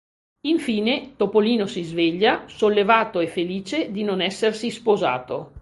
Infine Topolino si sveglia, sollevato e felice di non essersi sposato.